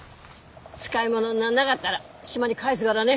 使い物になんながったら島に帰すがらね！